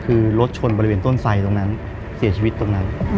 คือรถชนบริเวณต้นไสตรงนั้นเสียชีวิตตรงนั้น